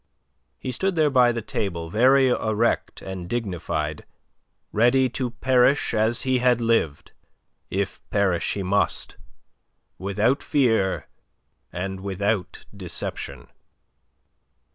He stood there by the table very erect and dignified, ready to perish as he had lived if perish he must without fear and without deception.